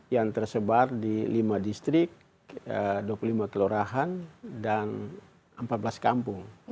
yang tersebar di lima distrik dua puluh lima kelurahan dan empat belas kampung